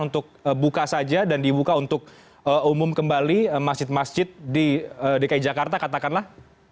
untuk buka saja dan dibuka untuk umum kembali masjid masjid di dki jakarta katakanlah